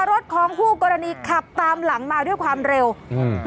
รถของคู่กรณีขับตามหลังมาด้วยความเร็วอืม